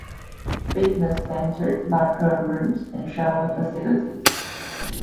Fitness Center, locker rooms, and shower facilities.